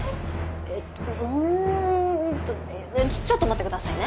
えっとうんちょっと待ってくださいね。